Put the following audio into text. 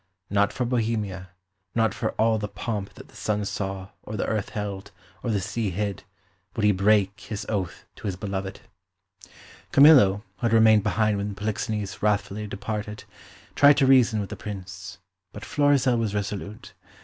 Not for Bohemia, nor for all the pomp that the sun saw, or the earth held, or the sea hid, would he break his oath to his beloved. Camillo, who had remained behind when Polixenes wrathfully departed, tried to reason with the Prince. But Florizel was resolute.